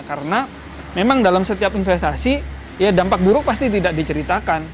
karena memang dalam setiap investasi ya dampak buruk pasti tidak diceritakan